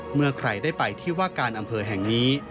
เมื่อใครได้ไปที่ว่าการอำเภอแห่งนี้